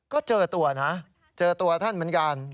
ก็เจอตัวนะเจอตัวท่านเหมือนกัน